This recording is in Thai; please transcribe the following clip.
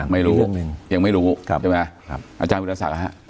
ไม่รู้ยังไม่รู้อาจารย์วิทยาศาสตร์ครับ